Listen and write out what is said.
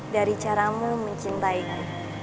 dari caramu mencintaiku